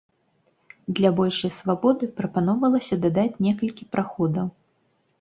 Для большай свабоды прапаноўвалася дадаць некалькі праходаў.